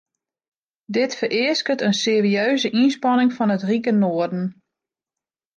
Dit fereasket in serieuze ynspanning fan it rike noarden.